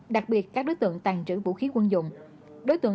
đặc biệt các đối tượng tàn trữ vũ khí quân dụng